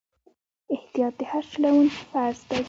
احتیاط د هر چلوونکي فرض دی.